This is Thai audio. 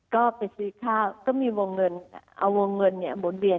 ก็ไปซื้อข้าวก็มีวงเงินเอาวงเงินหมุนเวียน